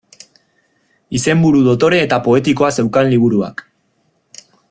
Izenburu dotore eta poetikoa zeukan liburuak.